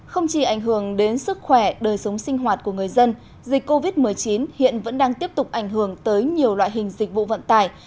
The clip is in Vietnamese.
không chỉ ảnh hưởng đến sức khỏe đời sống sinh hoạt của người dân dịch covid một mươi chín hiện vẫn đang tiếp tục ảnh hưởng tới nhiều loại hình dịch vụ vận tải